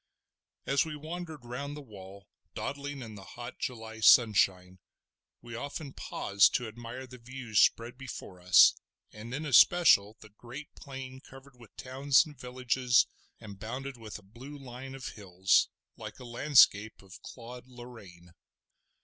As we wandered round the wall, dawdling in the hot July sunshine, we often paused to admire the views spread before us, and in especial the great plain covered with towns and villages and bounded with a blue line of hills, like a landscape of Claude Lorraine.